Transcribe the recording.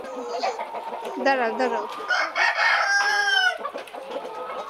শুধু নিচের দিকে দেখে হাঁটতে থাক।